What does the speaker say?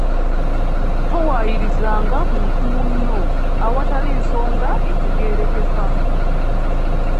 Towaayirizanga muntu munno awatali nsonga etegeerekeka.